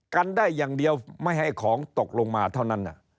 กันได้อย่างเดียวไม่ให้ของตกลงมาเท่านั้น